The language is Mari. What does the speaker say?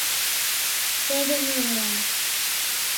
Теве нунылан!